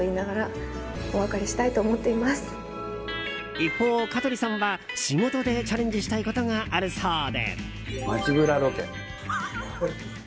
一方、香取さんは仕事でチャレンジしたいことがあるそうで。